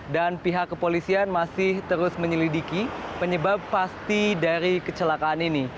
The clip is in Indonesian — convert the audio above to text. dan pihak kepolisian masih terus menyelidiki penyebab pasti dari kecelakaan ini